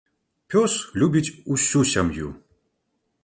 Пёс любіць усю сям'ю.